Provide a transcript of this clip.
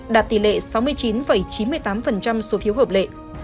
đạt tỷ lệ sáu mươi chín chín mươi tám số phiếu hợp lệ